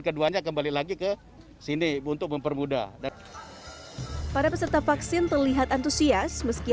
keduanya kembali lagi ke sini untuk mempermudah dan para peserta vaksin terlihat antusias meski